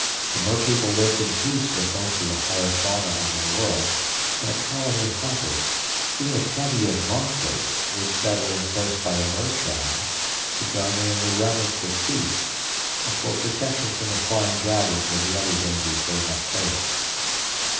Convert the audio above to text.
The merpeople lived in peace with most of the higher fauna of their world, and a colony of hoppers, even a covey of moth birds, would settle in close by a mer tribe to garner in the remnants of feasts and for protection from the flying dragons and the other dangers they must face.